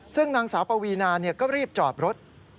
ซึ่งนางสาวปวีนาก็รีบจอดรถ